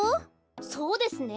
そうですね。